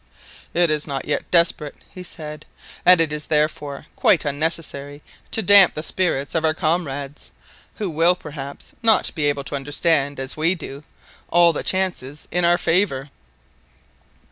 "It is not yet desperate," he said, "and it is therefore quite unnecessary to damp the spirits of our comrades, who will perhaps not be able to understand, as we do, all the chances in our favour."